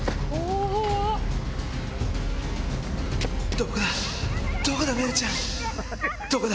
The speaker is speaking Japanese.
どこだ？